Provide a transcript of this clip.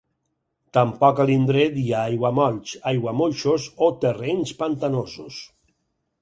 Tampoc a l'indret hi ha aiguamolls, aiguamoixos o terrenys pantanosos.